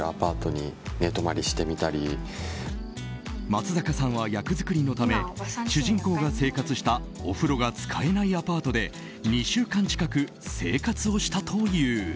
松坂さんは役作りのため主人公が生活したお風呂が使えないアパートで２週間近く生活をしたという。